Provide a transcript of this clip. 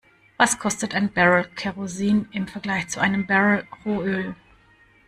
Was kostet ein Barrel Kerosin im Vergleich zu einem Barrel Rohöl?